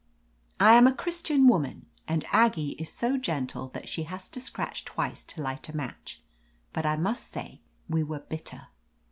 I am a Christian woman, and Aggie is so gentle that she has to scratch twice to light a match, but I must say we were bitter.